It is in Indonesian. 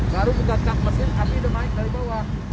baru buka kap mesin api sudah naik dari bawah